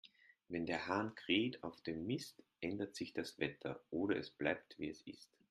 Wenn der Hahn kräht auf dem Mist, ändert sich das Wetter, oder es bleibt, wie es ist.